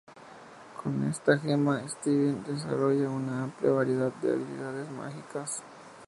Con esta gema, Steven desarrolla una amplia variedad de habilidades mágicas.